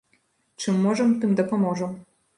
Чым можам, тым дапаможам.